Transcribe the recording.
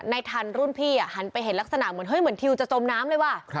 ทันรุ่นพี่หันไปเห็นลักษณะเหมือนเฮ้ยเหมือนทิวจะจมน้ำเลยว่ะ